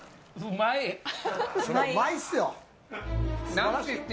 うまいっ！